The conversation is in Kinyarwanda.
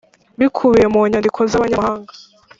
bikubiye mu nyandiko z’abanyamahanga